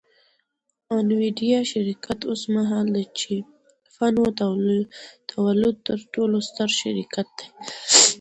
د انویډیا شرکت اوسمهال د چیپونو د تولید تر ټولو ستر شرکت دی